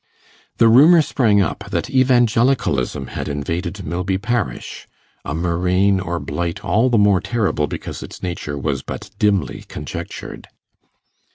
The rumour sprang up that Evangelicalism had invaded Milby parish a murrain or blight all the more terrible, because its nature was but dimly conjectured.